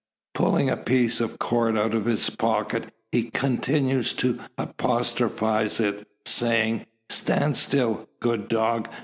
Pulling a piece of cord out of his pocket, he continues to apostrophise it, saying: "Stand still, good dog!